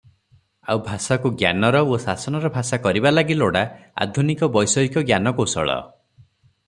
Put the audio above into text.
ଆଉ ଭାଷାକୁ ଜ୍ଞାନର ଓ ଶାସନର ଭାଷା କରିବା ଲାଗି ଲୋଡ଼ା ଆଧୁନିକ ବୈଷୟିକ ଜ୍ଞାନକୌଶଳ ।